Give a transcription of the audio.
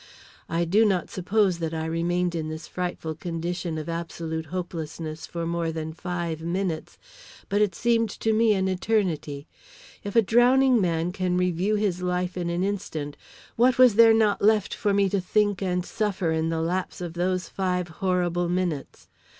I do not suppose that I remained in this frightful condition of absolute hopelessness for more than five minutes, but it seemed to me an eternity. If a drowning man can review his life in an instant, what was there not left for me to think and suffer in the lapse of those five horrible minutes?